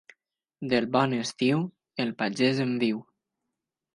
Del bon estiu, el pagès en viu.